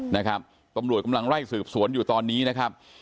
นะครับตำรวจกำลังไล่สืบสวนอยู่ตอนนี้นะครับ